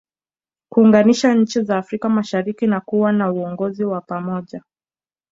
Kuunganisha nchi za Afrika mashariki na kuwa na uongozi wa pamoja